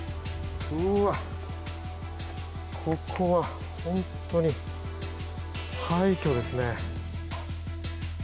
ここは本当に廃虚ですね。